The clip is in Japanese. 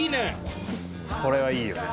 これはいいよね。